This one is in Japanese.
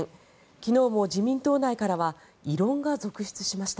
昨日も自民党内からは異論が続出しました。